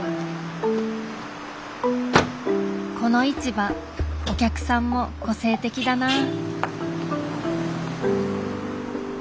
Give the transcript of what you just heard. この市場お客さんも個性的だなぁ。